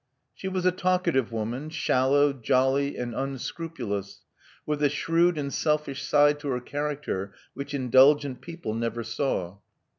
She was a talkative woman, shallow, jolly, and unscrupulous; with a shrewd and selfish side to her character wmch indulgent people never saw.